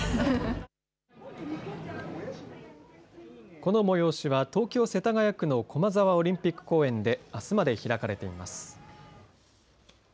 この催しは東京・世田谷区の駒沢オリンピック公園で、あすまで開かれています。